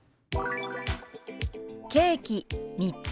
「ケーキ３つ」。